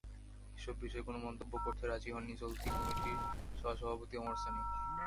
এসব বিষয়ে কোনো মন্তব্য করতে রাজি হননি চলতি কমিটির সহসভাপতি ওমর সানী।